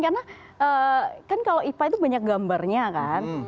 karena kan kalau ipa itu banyak gambarnya kan